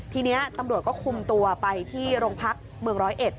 ทีนี้ตำรวจก็คุมตัวไปที่โรงพักเมืองร้อยเอ็ด